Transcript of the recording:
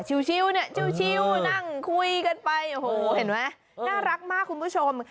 ชิวเนี่ยชิวนั่งคุยกันไปโอ้โหเห็นไหมน่ารักมากคุณผู้ชม